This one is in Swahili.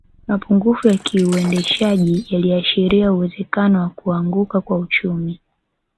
Mapungufu ya kiuendeshaji yaliashiria uwezekano wa kuanguka kwa uchumi